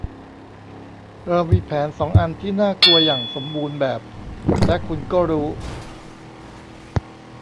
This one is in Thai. เรามีแผนสองอันที่น่ากลัวอย่างสมบูรณ์แบบและคุณก็รู้